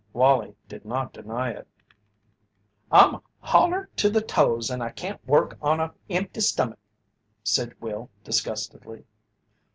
Wallie did not deny it. "I'm holler to the toes and I can't work on an empty stummick," said Will, disgustedly.